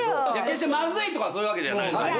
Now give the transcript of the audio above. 決してまずいとかそういうわけじゃないんですよ。